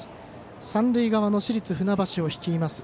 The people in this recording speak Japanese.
三塁側の市立船橋を率います